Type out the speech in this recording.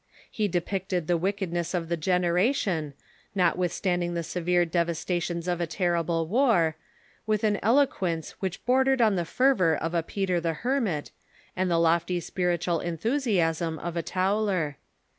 He depicted the wickedness of the generation, not withstanding the severe devastations of a terrible war, with an eloquence which bordered on the fervor of a Peter the Hermit and the lofty spiritual enthusiasm of a Tauler.